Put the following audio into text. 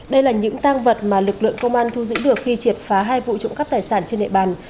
đây là những tăng vật mà lực lượng công an thu giữ được khi triệt phá hai vụ trộm cắp tài sản trên địa bàn